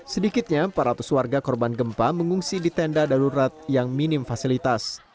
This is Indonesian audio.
sedikitnya para pesuarga korban gempa mengungsi di tenda darurat yang minim fasilitas